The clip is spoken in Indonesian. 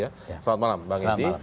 selamat malam bang edi